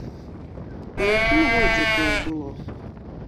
У якім годзе тое было?